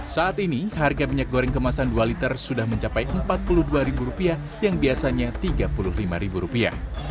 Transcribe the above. saat ini harga minyak goreng kemasan dua liter sudah mencapai empat puluh dua yang biasanya tiga puluh lima rupiah